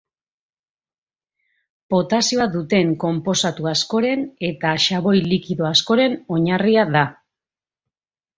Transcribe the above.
Potasioa duten konposatu askoren eta xaboi likido askoren oinarria da.